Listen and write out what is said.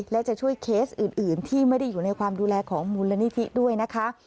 และจะช่วยเคสอื่นที่ไม่ได้อยู่ในความดูแลของมูลนิธิด้วยนะคะ